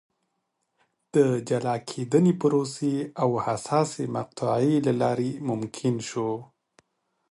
د جلا کېدنې پروسې او حساسې مقطعې له لارې ممکن شو.